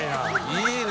いいね！